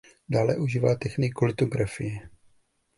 Dále užíval techniku litografie.